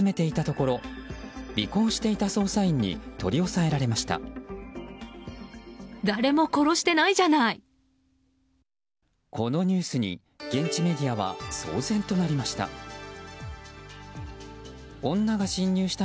このニュースに現地メディアは騒然となりました。